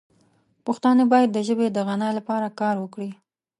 پښتانه باید د ژبې د غنا لپاره کار وکړي.